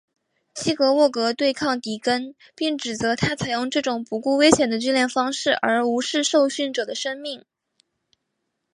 基洛沃格对抗迪根并指责他采用这种不顾危险的训练方式而无视受训者的生命。